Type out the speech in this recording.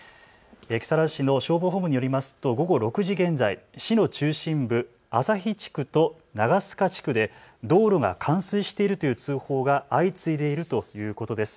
木更津市の消防本部によりますと午後６時現在、市の中心部朝日地区と長須賀地区で道路が冠水しているという通報が相次いでいるということです。